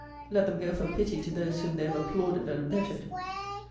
Let them go for pity to those whom they have applauded and abetted.